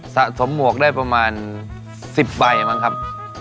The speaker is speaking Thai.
สะสมหมวกได้ประมาณ๑๐ใบมั้งครับ